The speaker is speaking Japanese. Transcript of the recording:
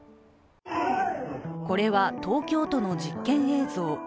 これは東京都の実験映像。